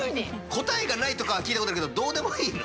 「こたえがない」とかはきいたことがあるけどどうでもいいの？